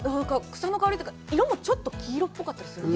草の香りというか、色もちょっと黄色っぽかったです。